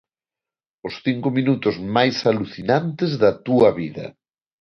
Os cinco minutos máis alucinantes da túa vida.